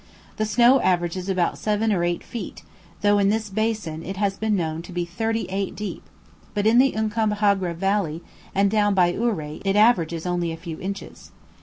The snow averages about seven or eight feet, though in this basin it has been known to be thirty eight deep, but in the Uncompaghre Valley and down by Ouray it averages only a few inches.